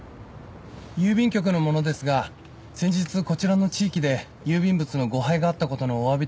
郵便局の者ですが先日こちらの地域で郵便物の誤配があったことのおわびとご報告に参りました。